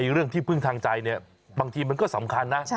เรื่องที่พึ่งทางใจเนี่ยบางทีมันก็สำคัญนะ